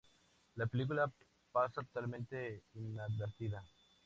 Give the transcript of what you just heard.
La película pasa totalmente inadvertida.